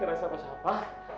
gak ada lah gak ada siapa siapa